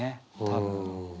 多分。